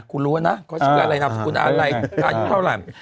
กูรู้ว่านะเขาชื่ออะไรนะคุณอารัยอายุภาวรรณ